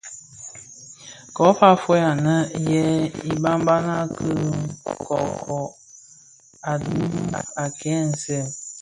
Ko fa fœug anè yè ibabana ki kōkōg a dhimum a kè nsèň.